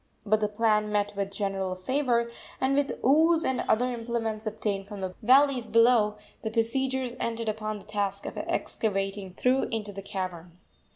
But the plan met with general favor, and, with oos and other implements obtained from the valleys below, the besiegers entered upon the task of excavating through into the cavern.